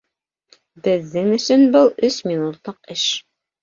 — Беҙҙең өсөн был өс минутлыҡ эш.